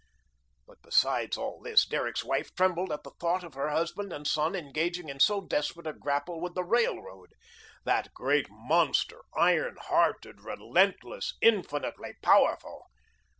But besides all this, Derrick's wife trembled at the thought of her husband and son engaging in so desperate a grapple with the railroad that great monster, iron hearted, relentless, infinitely powerful.